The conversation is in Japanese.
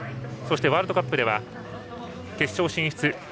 そしてワールドカップでは決勝進出